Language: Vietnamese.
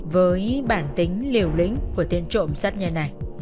với bản tính liều lĩnh của tiền trộm sát nhân này